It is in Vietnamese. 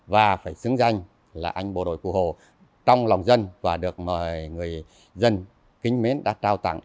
và phải xứng danh là anh bộ đội cụ hồ trong lòng dân và được mời người dân kính mến đã trao tặng